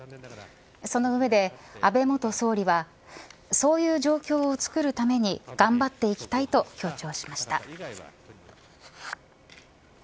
そのうえで、安部元総理はそういう状況をつくるために頑張っていきたいと強調しました。